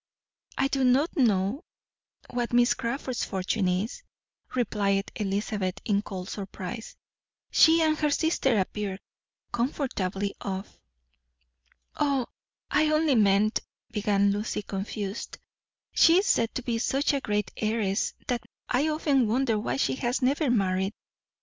"I do not know what Miss Crawford's fortune is," replied Elizabeth in cold surprise. "She and her sister appear comfortably off." "Oh, I only meant " began Lucy, confused. "She is said to be such a great heiress, that I often wonder why she has never married."